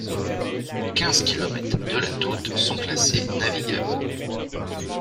Quinze kilomètres de la Taute sont classés navigables.